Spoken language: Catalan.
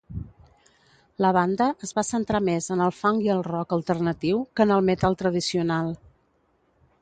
La banda es va centrar més en el funk i el rock alternatiu que en el metall tradicional.